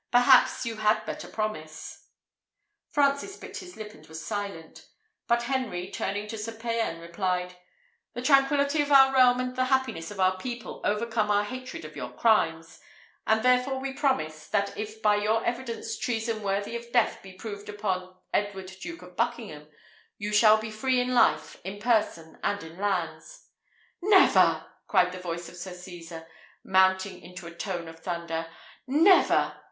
Perhaps you had better promise." Francis bit his lip and was silent; but Henry, turning to Sir Payan, replied, "The tranquillity of our realm and the happiness of our people overcome our hatred of your crimes; and therefore we promise, that if by your evidence treason worthy of death be proved upon Edward Duke of Buckingham, you shall be free in life, in person, and in lands." "Never!" cried the voice of Sir Cesar, mounting into a tone of thunder; "never!"